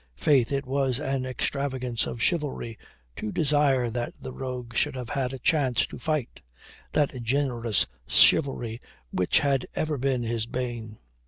Faith, it was an extravagance of chivalry to desire that the rogue should have had a chance to fight that generous chivalry which had ever been his bane.